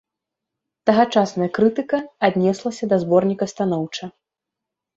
Тагачасная крытыка аднеслася да зборніка станоўча.